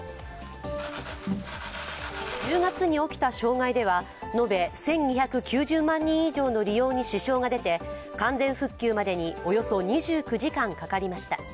１０月に起きた障害では延べ１２９０万人以上の利用に支障が出て完全復旧までにおよそ２９時間かかりました。